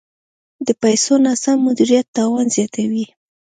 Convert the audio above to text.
د پیسو ناسم مدیریت تاوان زیاتوي.